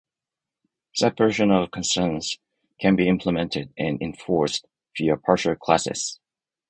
Separation of concerns can be implemented and enforced via partial classes.